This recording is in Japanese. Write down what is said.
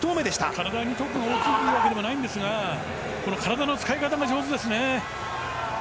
体が特に大きいわけではないんですが体の使い方が上手ですね。